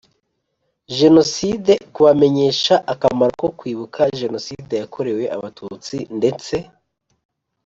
Jenoside kubamenyesha akamaro ko kwibuka jenoside yakorewe abatutsi ndetse